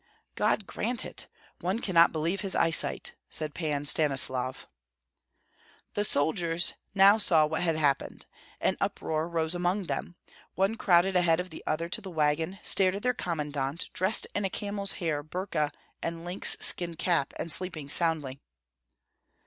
"God grant it! One cannot believe his eyesight," said Pan Stanislav. The soldiers now saw what had happened. An uproar rose among them. One crowded ahead of the other to the wagon, stared at their commandant, dressed in a camel's hair burka and lynx skin cap, and sleeping soundly.